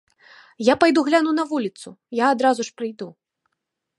Я пайду гляну на вуліцу, я адразу ж прыйду.